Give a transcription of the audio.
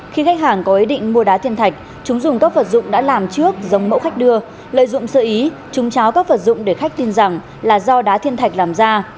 khi khách hàng có ý định mua đá thiên thạch chúng dùng các vật dụng đã làm trước giống mẫu khách đưa lợi dụng sơ ý chúng cháo các vật dụng để khách tin rằng là do đá thiên thạch làm ra